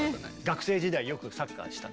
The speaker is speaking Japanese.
学生時代よくサッカーした。